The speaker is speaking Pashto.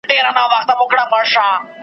¬ زما مڼه په کار ده، که څه له ولي څخه وي.